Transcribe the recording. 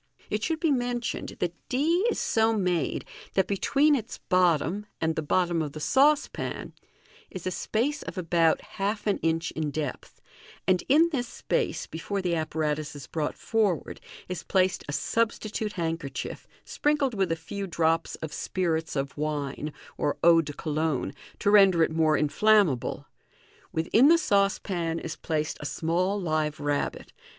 It should be mentioned that d is so made, that between its bottom and the bottom of the saucepan is a space of about half an inch in depth, and in this space, before the apparatus is brought forward, is placed a substitute handkerchief, sprinkled wzth a few drops of spirits of wine or eau de Cologne, to render it more inflammable j within the saucepan is placed a small live rabbit.